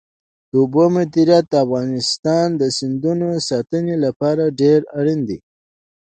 د اوبو مدیریت د افغانستان د سیندونو د ساتنې لپاره ډېر اړین دی.